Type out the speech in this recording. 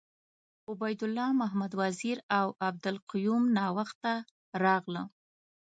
عبید الله محمد وزیر اوعبدالقیوم ناوخته راغله .